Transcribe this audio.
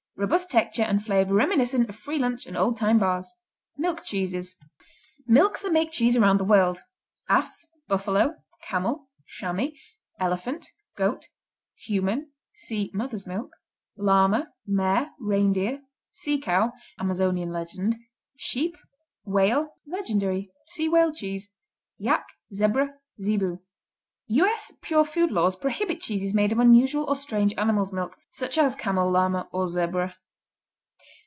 _ Robust texture and flavor reminiscent of free lunch and old time bars. Milk cheeses Milks that make cheese around the world: Ass Buffalo Camel Chamois Elephant Goat Human (see Mother's milk) Llama Mare Reindeer Sea cow (Amazonian legend) Sheep Whale (legendary; see Whale Cheese) Yak Zebra Zebu U.S. pure food laws prohibit cheeses made of unusual or strange animal's milk, such as camel, llama and zebra.